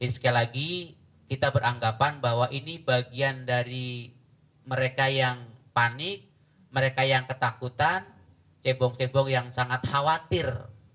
sekali lagi kita beranggapan bahwa ini bagian dari mereka yang panik mereka yang ketakutan cebong cebong yang sangat khawatir